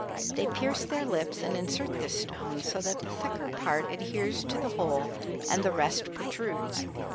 They pierce their lips and insert this stone so that the thicker part adheres to the hole and the rest protrudes.